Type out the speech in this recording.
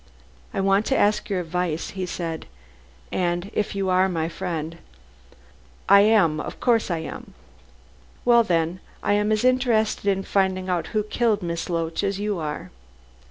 "I want to ask your advice," he said, "and if you are my friend " "I am, of course I am." "Well, then, I am as interested in finding out who killed Miss Loach as you are."